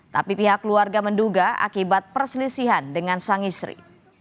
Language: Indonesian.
tapi pihak keluarga menduga akibat perselisihan dengan sang istri